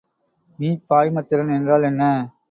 மீப்பாய்மத்திறன் என்றால் என்ன?